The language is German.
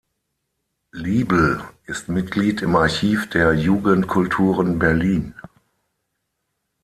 Liebel ist Mitglied im „Archiv der Jugendkulturen“, Berlin.